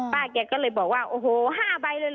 ป้าแกก็เลยบอกว่าโอ้โห๕ใบเลยเหรอ